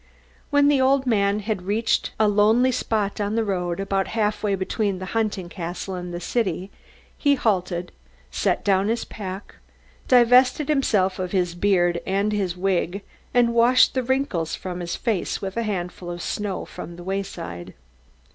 When the old man had reached a lonely spot on the road, about half way between the hunting castle and the city, he halted, set down his pack, divested himself of his beard and his wig and washed the wrinkles from his face with a handful of snow from the wayside.